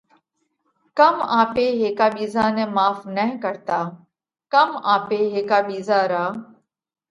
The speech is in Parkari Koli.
ڪم آپي هيڪا ٻِيزا نئہ ماڦ نه ڪرتا؟ ڪم آپي هيڪا ٻِيزا را